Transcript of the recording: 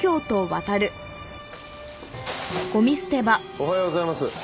おはようございます。